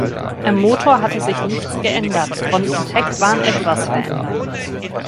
Am Motor hatte sich nichts geändert, Front und Heck waren etwas verändert.